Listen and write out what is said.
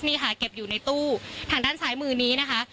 นี่ค่ะเก็บอยู่ในตู้ทางด้านซ้ายมือนี้นะคะ